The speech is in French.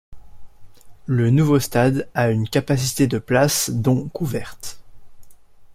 Le nouveau stade a une capacité de places dont couvertes.